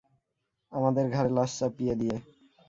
আমাদের ঘাড়ে লাশ চাপিয়ে দিয়ে।